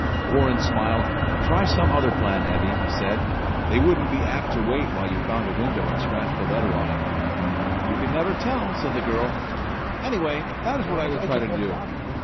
Warren smiled. "Try some other plan, Evvy," he said. "They wouldn't be apt to wait while you found a window and scratched a letter on it." "You never can tell," said the girl. "Anyhow, that is what I would try to do.